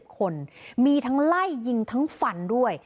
คนมีทั้งไล่ยิงทั้งฟันด้วย